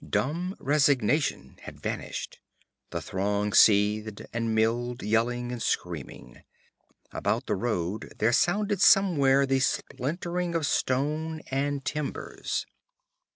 Dumb resignation had vanished. The throng seethed and milled, yelling and screaming. About the road there sounded somewhere the splintering of stone and timbers.